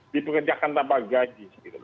dipekerjakan tanpa gaji